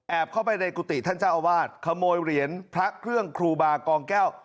เข้าไปในกุฏิท่านเจ้าอาวาสขโมยเหรียญพระเครื่องครูบากองแก้ว